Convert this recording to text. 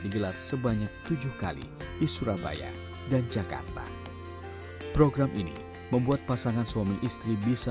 digelar sebanyak tujuh kali di surabaya dan jakarta program ini membuat pasangan suami istri bisa